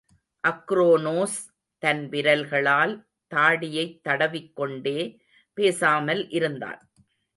அக்ரோனோஸ், தன் விரல்களால் தாடியைத் தடவிக் கொண்டே, பேசாமல் இருந்தான்.